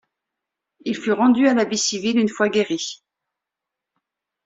Il fut rendu à la vie civile une fois guéri.